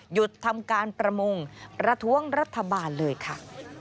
หยุดทำการประมงประท้วงรัฐบาลเลยค่ะ